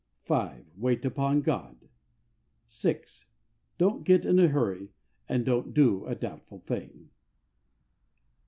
Wait upon God. (6.) Don't get in a hurry, and don't do a doubtful thing.